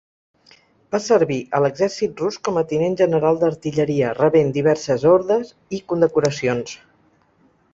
Va servir a l'exèrcit rus com a tinent general d'artilleria rebent diverses ordes i condecoracions.